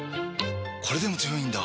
これでも強いんだ！